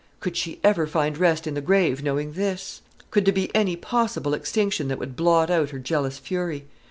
Could she ever find rest in the grave, knowing this? Could there be any possible extinction that would blot out her jealous fury?